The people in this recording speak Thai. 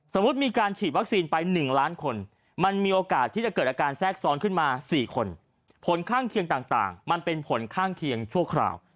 มีการฉีดวัคซีนไป๑ล้านคนมันมีโอกาสที่จะเกิดอาการแทรกซ้อนขึ้นมา๔คนผลข้างเคียงต่างมันเป็นผลข้างเคียงชั่วคราว